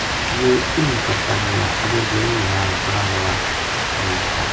یہ اِنہوں کرتا گیا اگے گلی کے نال بڑا بڑ ا موڑ تھا